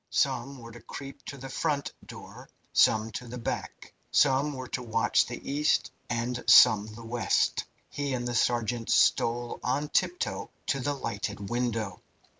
Some were to creep to the front door, some to the back. Some were to watch the east, and some the west. He and the sergeant stole on tiptoe to the lighted window.